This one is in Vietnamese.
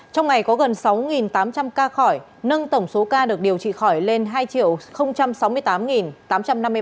trong ngày có gần sáu tám trăm linh ca khỏi nâng tổng số ca được điều trị khỏi lên hai sáu mươi tám tám trăm năm mươi ba ca